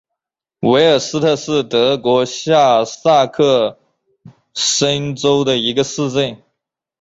维尔斯特是德国下萨克森州的一个市镇。